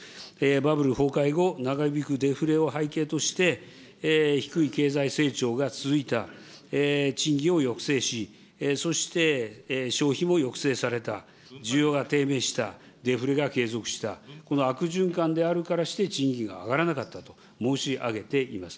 バブル崩壊後、長引くデフレを背景として、低い経済成長が続いた、賃金を抑制し、そして消費も抑制された、需要が低迷した、デフレが継続した、この悪循環であるからして、賃金が上がらなかったと申し上げています。